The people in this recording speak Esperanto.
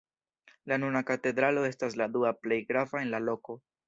La nuna katedralo estas la dua plej grava en la loko.